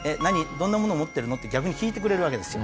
どんなものを持ってるの？」って逆に聞いてくれるわけですよ。